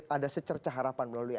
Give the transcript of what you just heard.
ada secerca harapan melalui